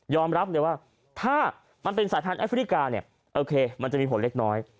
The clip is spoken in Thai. ยอมรับเลยว่าถ้ามันเป็นสถานแอฟริกามันจะมีผลเล็กน้อย